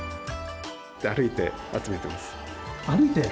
歩いて集めてます。